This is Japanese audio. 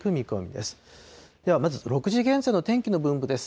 ではまず６時現在の天気の分布です。